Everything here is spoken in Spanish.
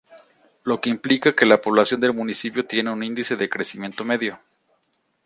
Lo que implica que la población del municipio tiene un índice de crecimiento medio.